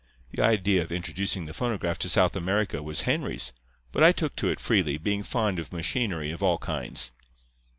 The idea of introducing the phonograph to South America was Henry's; but I took to it freely, being fond of machinery of all kinds.